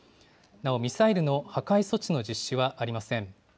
なお、ミサイルの破壊措置の実施はありません。